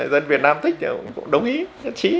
dân việt nam thích thì ông cũng đồng ý chất trí